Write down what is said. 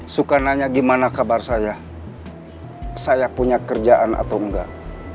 suka nanya gimana kabar saya saya punya kerjaan atau enggak